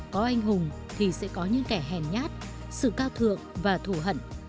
có anh hùng thì sẽ có những kẻ hèn nhát sự cao thượng và thủ hận